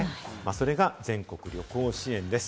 それが全国旅行支援です。